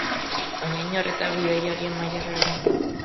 Baina inor ez da bidaiariaren mailara heltzen.